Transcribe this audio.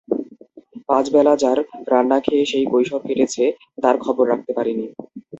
পাঁচবেলা যার রান্না খেয়ে সেই কৈশোর কেটেছে, তার খবর রাখতে পারিনি।